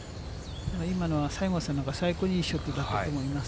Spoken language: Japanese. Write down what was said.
今のは西郷さんのは最高のショットだったと思います。